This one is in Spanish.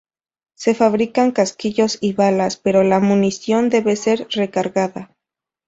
Se fabrican casquillos y balas, pero la munición debe ser recargada.